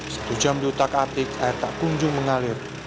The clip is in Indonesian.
satu jam di utak atik air tak kunjung mengalir